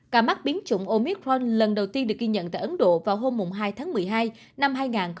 ca mắc biến chủng omicron lần đầu tiên được ghi nhận tại ấn độ vào hôm hai tháng một mươi hai năm hai nghìn hai mươi một